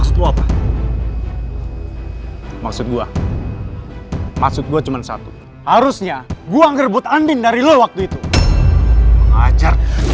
sampai jumpa di video selanjutnya